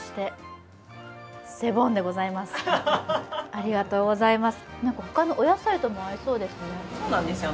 ありがとうございます。